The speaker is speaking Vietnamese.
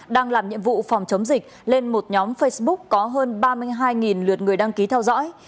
đang làm nhiệm vụ phòng chống dịch lên một nhóm facebook có hơn ba mươi hai lượt người đăng ký theo dõi